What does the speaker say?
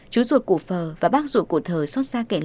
chú ruột của phở và bác ruột của thờ